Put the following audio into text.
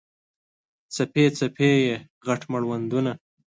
څپې، څپې یې، غټ مړوندونه